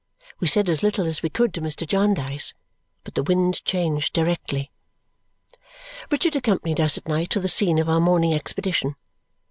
We said as little as we could to Mr. Jarndyce, but the wind changed directly. Richard accompanied us at night to the scene of our morning expedition.